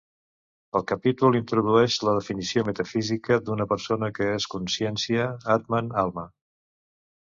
El capítol introdueix la definició metafísica d'una persona que és Consciència, Atman, Alma.